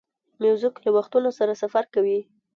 موزیک له وختونو سره سفر کوي.